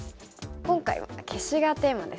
今回は消しがテーマですね。